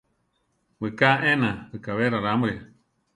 Wiká éena, wikábe rarámuri.